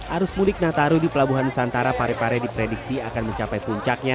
arus mudik nataru di pelabuhan nusantara parepare diprediksi akan mencapai puncaknya